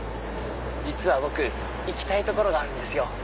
実は僕行きたい所があるんですよ。